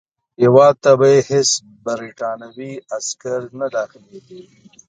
هیواد ته به یې هیڅ برټانوي عسکر نه داخلیږي.